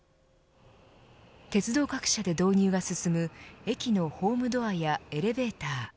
鉄道各社で導入が進む駅のホームドアやエレベーター。